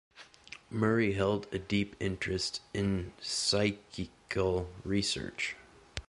Murray held a deep interest in psychical research.